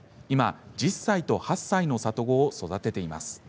今、１０歳と８歳の里子を育てています。